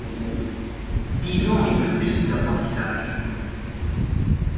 Dix ans et plus d’apprentissage !